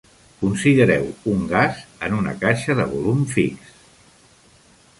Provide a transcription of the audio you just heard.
Considereu un gas en una caixa de volum fix.